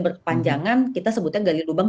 berkepanjangan kita sebutnya gali lubang